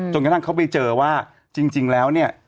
กระทั่งเขาไปเจอว่าจริงแล้วเนี่ย